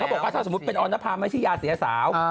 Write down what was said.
บอกว่าถ้าสมมุติเป็นออนภาไม่ใช่ยาเสียสาว